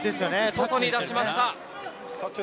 外に出しました。